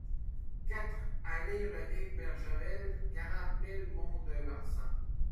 quatre allée René Barjavel, quarante mille Mont-de-Marsan